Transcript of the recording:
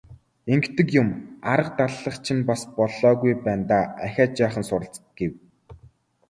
Ингэдэг юм, арга дадлага чинь бас л болоогүй байна даа, ахиад жаахан суралц гэв.